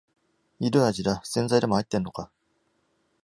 ひどい味だ、洗剤でも入ってるのか